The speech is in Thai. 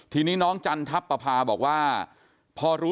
ทีนี้น้องจันทัพปะพาบอกว่าพอรู้ตัวว่าโดนหลอก